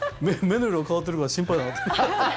目の色変わってるから心配だなって。